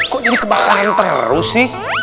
kok jadi kebakaran yang terlalu sih